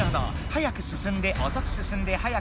速く進んでおそく進んで速く。